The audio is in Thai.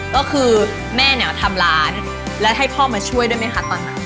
ก็คือแม่เนี่ยทำร้านแล้วให้พ่อมาช่วยด้วยไหมคะตอนนั้น